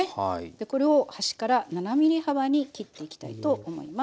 これを端から７ｍｍ幅に切っていきたいと思います。